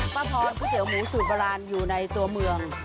ป้าพรคุ้ดเตี๋ยวหมูสูบร้านอยู่ในตัวเมือง